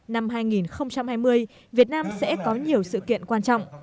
năm hai nghìn hai mươi việt nam sẽ có nhiều sự kiện quan trọng